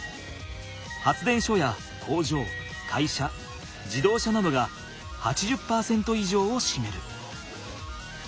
発電所や工場会社自動車などが８０％以上をしめる。